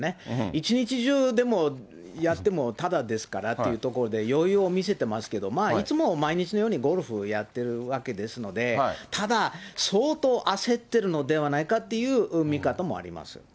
一日中でもやってもっていう所で、余裕を見せてますけど、いつも毎日のようにゴルフやってるわけですので、ただ、相当焦ってるのではないかっていう見方もあります。